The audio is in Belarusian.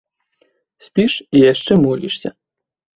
Спіш і яшчэ молішся.